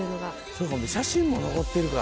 そうか写真も残ってるから。